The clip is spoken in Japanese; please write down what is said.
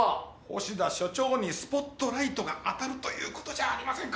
星田署長にスポットライトが当たるということじゃありませんか！